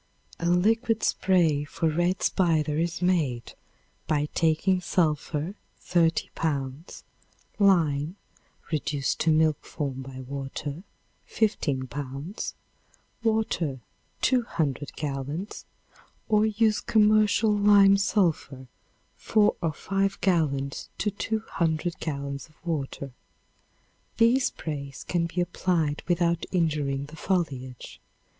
A liquid spray for red spider is made by taking sulphur 30 pounds; lime (reduced to milk form by water), 15 pounds; water, 200 gallons; or use commercial lime sulphur, 4 or 5 gallons to 200 gallons of water. These sprays can be applied without injuring the foliage.